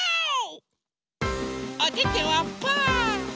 おててはパー。